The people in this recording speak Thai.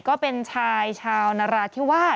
ก็เป็นชายชาวนราธิวาส